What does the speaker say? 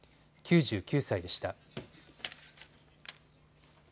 ９９歳でした。